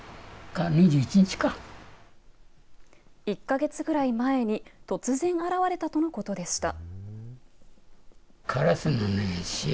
１か月ぐらい前に突然、現れたとのことでした。